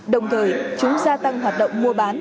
đồng thời chúng gia tăng hoạt động mua bán